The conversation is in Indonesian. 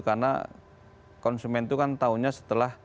karena konsumen itu kan tahunya setelah